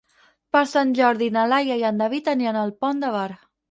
Per Sant Jordi na Laia i en David aniran al Pont de Bar.